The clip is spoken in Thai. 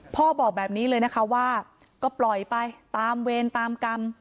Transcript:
บอกแบบนี้เลยนะคะว่าก็ปล่อยไปตามเวรตามกรรม